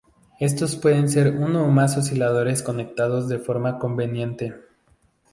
Estos pueden ser uno o más osciladores conectados de forma conveniente.